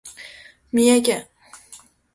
三重県